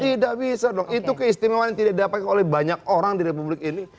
tidak bisa dong itu keistimewaan yang tidak didapatkan oleh banyak orang di republik ini